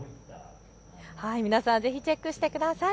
皆さんぜひチェックしてください。